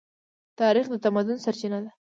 تاریخ د تمدن سرچینه ده.